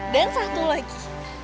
dan satu lagi